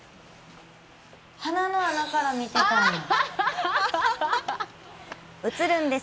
鼻の穴から見てたんや。